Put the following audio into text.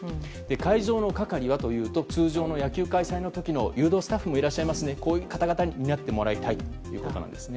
会場の係は通常の野球開催の時の誘導スタッフもいますのでこういう方々に担ってもらいたいということなんです。